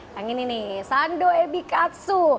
yang ini nih sando ebi katsu